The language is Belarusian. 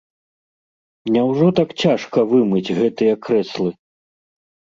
Няўжо так цяжка вымыць гэтыя крэслы?